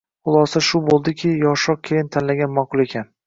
Xulosa shu bo`ldiki, yoshroq kelin tanlagan ma`qul ekan